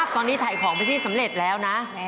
ตอนนี้ไถของพิธีสำเร็จแล้วนะ